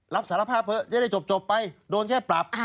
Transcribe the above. รับสารภาพเถอะจะได้จบไปโดนแค่ปรับ